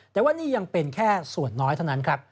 แต่ว่านี่ยังเป็นแค่ส่วนน้อยเท่านั้นครับ